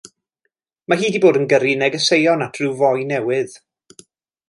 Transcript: Mae hi 'di bod yn gyrru negeseuon at ryw foi newydd.